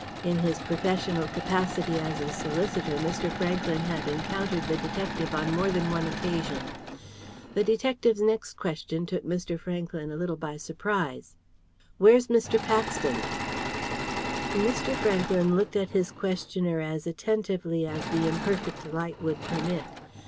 In his professional capacity as a solicitor Mr. Franklyn had encountered the detective on more than one occasion. The detective's next question took Mr. Franklyn a little by surprise. "Where's Mr. Paxton?" Mr. Franklyn looked at his questioner as attentively as the imperfect light would permit.